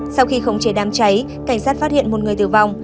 sau khi khống chế đám cháy cảnh sát phát hiện một người tử vong